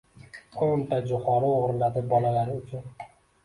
O‘n ta joʻxori oʻgʻirladi bolalari uchun...